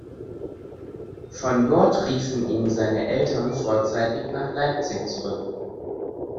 Von dort riefen ihn seine Eltern vorzeitig nach Leipzig zurück.